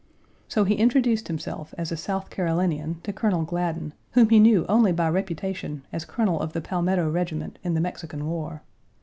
So he introduced himself as a South Carolinian to Colonel Gladden, whom he knew only by reputation as colonel of the Palmetto regiment in the Mexican war.